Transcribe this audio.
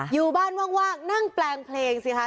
อยู่บ้านว่างนั่งแปลงเพลงสิคะ